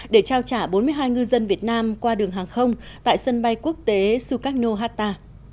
để trao trả bốn mươi hai ngư dân việt nam qua đường hàng không tại sân bay quốc tế sukarno hatta